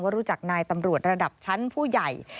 รู้จักนายตำรวจระดับชั้นผู้ใหญ่